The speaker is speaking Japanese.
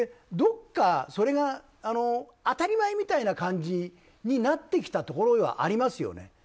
どこか、それが当たり前みたいな感じになってきたところはありますよね。